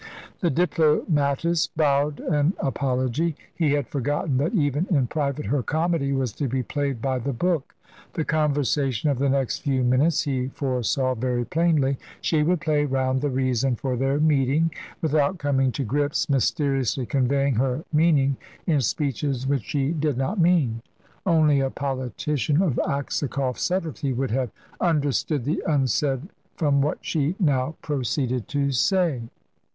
The diplomatist bowed an apology. He had forgotten that even in private her comedy was to be played by the book. The conversation of the next few minutes he foresaw very plainly. She would play round the reason for their meeting, without coming to grips, mysteriously conveying her meaning in speeches which she did not mean. Only a politician of Aksakoff's subtlety would have understood the unsaid from what she now proceeded to say.